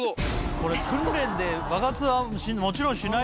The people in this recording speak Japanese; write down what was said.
これ訓練で。